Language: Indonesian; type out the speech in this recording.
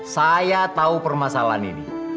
saya tahu permasalahan ini